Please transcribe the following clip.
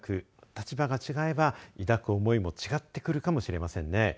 立場が違えば抱く思いも違ってくるかもしれませんね。